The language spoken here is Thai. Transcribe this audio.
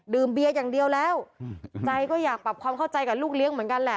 เบียร์อย่างเดียวแล้วใจก็อยากปรับความเข้าใจกับลูกเลี้ยงเหมือนกันแหละ